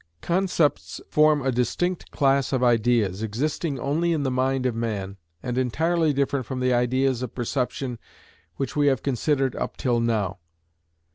Concepts form a distinct class of ideas, existing only in the mind of man, and entirely different from the ideas of perception which we have considered up till now.